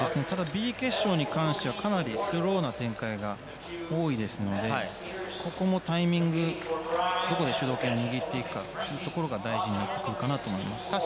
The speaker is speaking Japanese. ただＢ決勝に関しては、かなりスローな展開が多いですのでここもタイミングどこで主導権握っていくかというところが大事なところかなと思います。